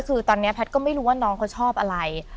คือตอนนี้แพทย์ก็ไม่รู้ว่าน้องเขาชอบอะไร